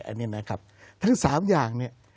อันนี้นะครับทั้ง๓อย่างเนี่ย